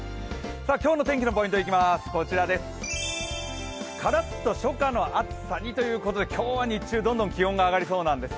今日の天気のポイントいきます、カラッと初夏の暑さにということで今日は日中、どんどん気温が上がりそうなんです。